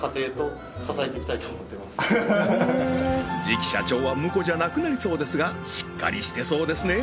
次期社長はムコじゃなくなりそうですがしっかりしてそうですね